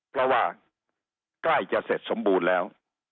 เพราะว่าใกล้จะเสร็จสมบูรณ์แล้ว